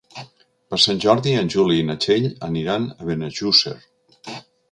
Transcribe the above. Per Sant Jordi en Juli i na Txell aniran a Benejússer.